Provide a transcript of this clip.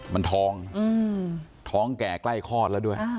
มันท้องท้องแก่ใกล้คลอดแล้วด้วย